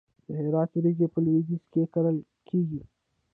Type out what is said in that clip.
د هرات وریجې په لویدیځ کې کارول کیږي.